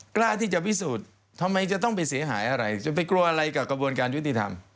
กล้าที่จะพิสูจน์ทำไมจะต้องไปเสียหายอะไรจะไปกลัวอะไรกับกระบวนการยุติธรรม